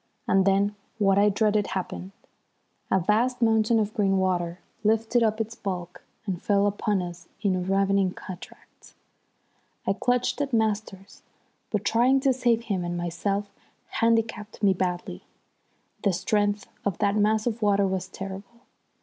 And then what I dreaded happened. A vast mountain of green water lifted up its bulk and fell upon us in a ravening cataract. I clutched at Masters, but trying to save him and myself handicapped me badly. The strength of that mass of water was terrible.